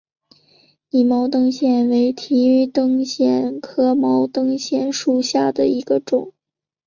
拟毛灯藓为提灯藓科毛灯藓属下的一个种。